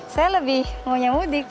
saya lebih maunya mudik